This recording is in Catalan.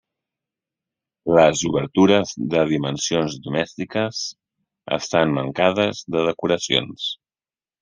Les obertures, de dimensions domèstiques, estan mancades de decoracions.